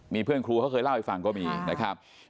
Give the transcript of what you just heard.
มีเพื่อนครูเขาเคยเล่าให้ฟังก็มีนะครับ